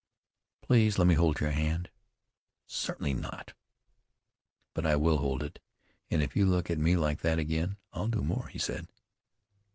"Please let me hold your hand." "Certainly not." "But I will hold it, and if you look at me like that again I'll do more," he said.